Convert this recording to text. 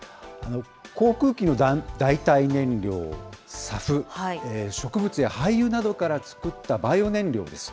航空機の代替燃料ＳＡＦ、植物や廃油などから作ったバイオ燃料です。